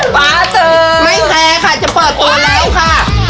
ฟ้าเสยไม่แพ้ค่ะจะเปิดตัวแล้วค่ะ